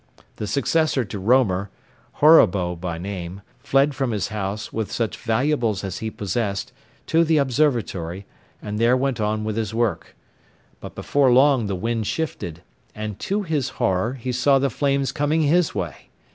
The successor to Roemer, Horrebow by name, fled from his house, with such valuables as he possessed, to the observatory, and there went on with his work. But before long the wind shifted, and to his horror he saw the flames coming his way.